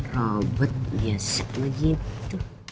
robot biasa begitu